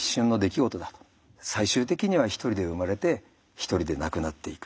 最終的にはひとりで生まれてひとりで亡くなっていく。